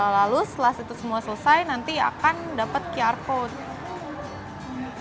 lalu setelah itu semua selesai nanti akan dapat qr code